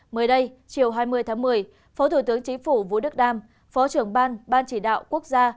mới đây chiều hai mươi tháng một mươi phó thủ tướng chính phủ vũ đức đam phó trưởng ban ban chỉ đạo quốc gia